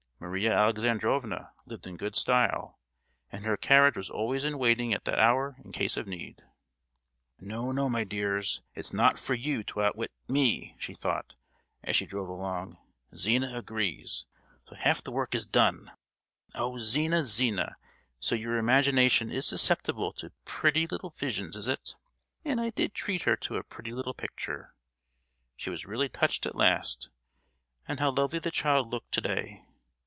Maria Alexandrovna lived in good style, and her carriage was always in waiting at that hour in case of need. "No, no, my dears! it's not for you to outwit me," she thought, as she drove along. "Zina agrees; so half the work is done. Oh, Zina, Zina! so your imagination is susceptible to pretty little visions, is it? and I did treat her to a pretty little picture. She was really touched at last; and how lovely the child looked to day!